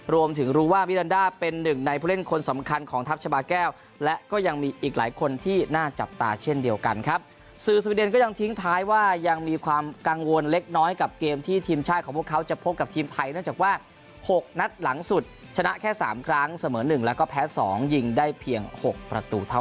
รวมถึงรู้ว่ามิรันดาเป็นหนึ่งในผู้เล่นคนสำคัญของทัพชาบาแก้วและก็ยังมีอีกหลายคนที่น่าจับตาเช่นเดียวกันครับสื่อสวีเดนก็ยังทิ้งท้ายว่ายังมีความกังวลเล็กน้อยกับเกมที่ทีมชาติของพวกเขาจะพบกับทีมไทยเนื่องจากว่าหกนัดหลังสุดชนะแค่สามครั้งเสมอหนึ่งแล้วก็แพ้สองยิงได้เพียง๖ประตูเท่า